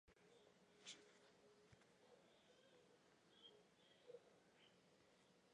The form of government forbids the holding of colonies.